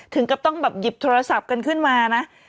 ถึงกับต้องแบบหยิบโทรศัพท์กันขึ้นมานะ